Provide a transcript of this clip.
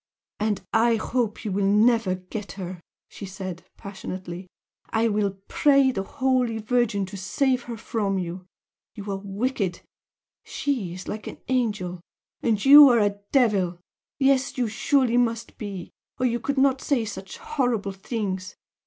"And I hope you will never get her!" she said, passionately "I will pray the Holy Virgin to save her from you! For you are wicked! She is like an angel and you are a devil! yes, surely you must be, or you could not say such horrible things!